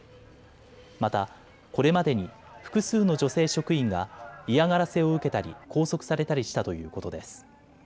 またこれまでに複数の女性職員が嫌がらせを受けたり拘束されたりしたということです。